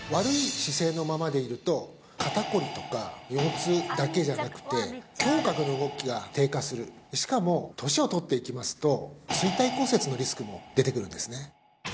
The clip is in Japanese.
肩凝りとか腰痛だけじゃなくて胸郭の動きが低下するしかも年を取っていきますと椎体骨折のリスクも出てくるんですね